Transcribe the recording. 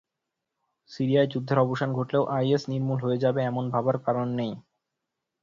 সিরিয়ায় যুদ্ধের অবসান ঘটলেও আইএস নির্মূল হয়ে যাবে এমন ভাবার কারণ নেই।